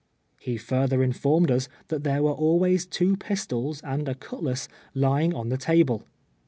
He further informed us that there were always two pistols and a cutlass lying on the table.